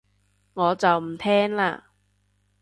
我就唔聽喇